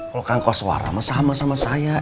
kalau kang koswaram sama sama saya